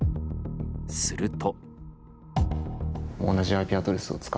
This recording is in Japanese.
すると。